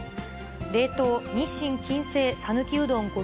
冷凍日清謹製讃岐うどん５